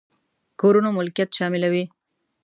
کورونو ملکيت شاملوي.